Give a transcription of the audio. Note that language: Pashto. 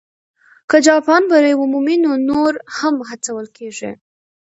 که جاپان بری ومومي، نو نور هم هڅول کېږي.